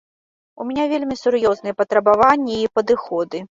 У мяне вельмі сур'ёзныя патрабаванні і падыходы.